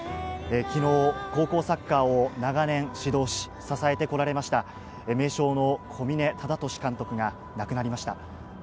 昨日、高校サッカーを長年指導し、支えてこられました名将の小嶺忠敏監督が亡くなりました。